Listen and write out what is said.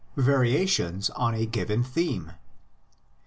VARIATIONS ON A GIVEN THEME.